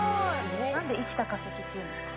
何で生きた化石っていうんですか？